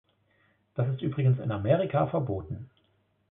Das ist übrigens in Amerika verboten.